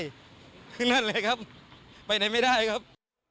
นั่นเลยครับไปไหนไม่ได้ครับ